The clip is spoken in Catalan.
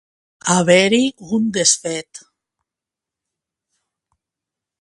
Haver-hi un desfet.